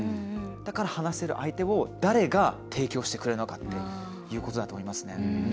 だから、話せる相手を誰が提供してくれるのかということだと思いますね。